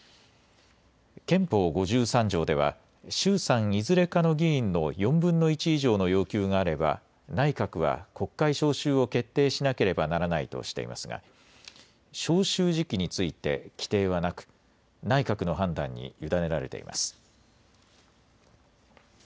憲法５３条では、衆参いずれかの議員の４分の１以上の要求があれば、内閣は国会召集を決定しなければならないとしていますが、召集時期について規定はなく、内閣の判断に委ねられています。